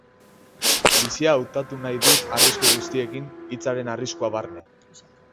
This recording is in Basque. Bizia hautatu nahi dut arrisku guztiekin, hitzaren arriskua barne.